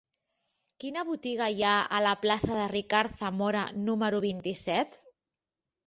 Quina botiga hi ha a la plaça de Ricard Zamora número vint-i-set?